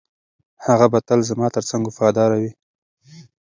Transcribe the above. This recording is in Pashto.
هغه به تل زما تر څنګ وفاداره وي.